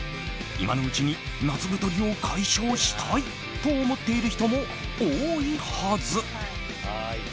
今のうちに夏太りを解消したいと思っている人も多いはず。